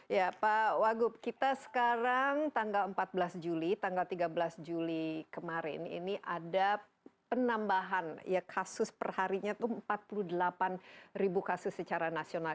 ya pak wagub kita sekarang tanggal empat belas juli tanggal tiga belas juli kemarin ini ada penambahan kasus perharinya itu empat puluh delapan ribu kasus secara nasional